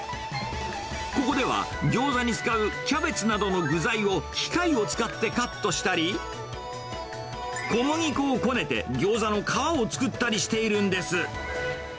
ここではギョーザに使うキャベツなどの具材を、機械を使ってカットしたり、小麦粉をこねて、ギョーザの皮を作ったりしているんです。